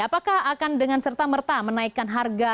apakah akan dengan serta merta menaikkan harga